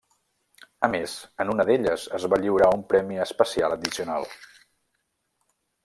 A més, en una d'elles es va lliurar un premi especial addicional.